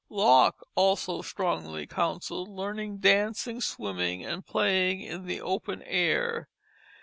Locke also strongly counselled learning dancing, swimming, and playing in the open air.